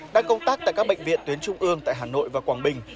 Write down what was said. đang công tác tại các bệnh viện tuyến trung ương tại hà nội và quảng bình